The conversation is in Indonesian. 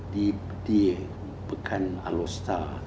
di pekan alostar